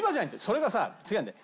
それがさ違うんだよ。